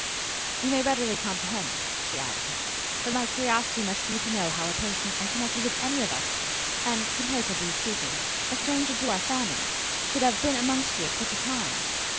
"You may readily comprehend," she added, "what my curiosity must be to know how a person unconnected with any of us, and, comparatively speaking, a stranger to our family, should have been amongst you at such a time.